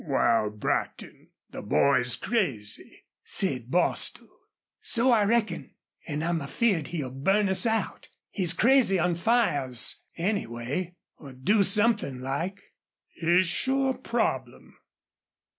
"Wal, Brackton, the boy's crazy," said Bostil. "So I reckon. An' I'm afeared he'll burn us out he's crazy on fires, anyway or do somethin' like." "He's sure a problem.